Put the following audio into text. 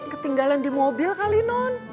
ketinggalan di mobil kali non